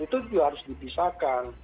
itu juga harus dipisahkan